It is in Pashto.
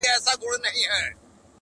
رخصتېږم تا پر خداى باندي سپارمه٫